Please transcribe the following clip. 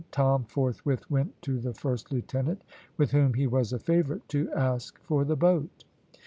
Tom forthwith went to the first lieutenant, with whom he was a favourite, to ask for the boat.